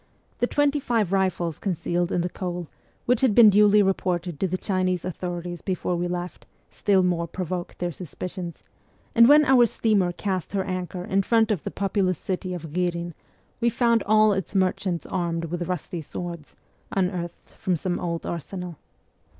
The twenty five rifles concealed in the coal, which had been duly reported to the Chinese authorities before w r e left, still more provoked their suspicions ; and when our steamer cast her anchor in front of the populous city of Ghirin we found all its merchants armed with rusty swords, unearthed from some old arsenal.